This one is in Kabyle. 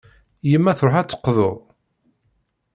Yemma truḥ ad d-teqḍu.